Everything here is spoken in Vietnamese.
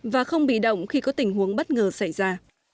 và không bị động khi có tình huống bất ngờ xảy ra